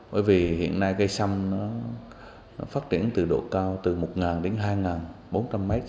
bởi vì hiện nay cây sâm nó phát triển từ độ cao từ một đến hai bốn trăm linh m